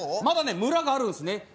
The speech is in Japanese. まだね村があるんですね。